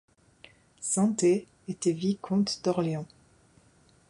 Saint Ay était vicomte d'Orléans.